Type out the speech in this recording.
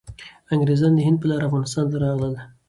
انګریزان د هند په لاره افغانستان ته راغلل.